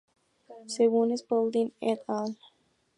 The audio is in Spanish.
Según Spaulding "et al.